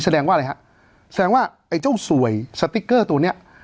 แสดงว่าอะไรฮะแสดงว่าไอ้เจ้าสวยสติ๊กเกอร์ตัวเนี้ย